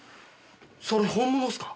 それ本物っすか？